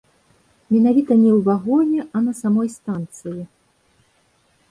Менавіта не ў вагоне, а на самой станцыі.